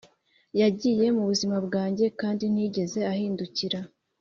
yagiye mu buzima bwanjye kandi ntiyigeze ahindukira.